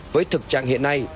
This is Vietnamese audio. với thực trạng hiện nay